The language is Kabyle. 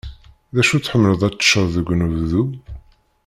D acu i tḥemmleḍ ad t-teččeḍ deg unebdu?